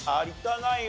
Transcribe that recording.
ナイン